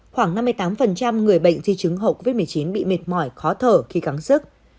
khoảng năm mươi tám người bệnh di chứng học covid một mươi chín bị mệt mỏi khó thở khi cắn sức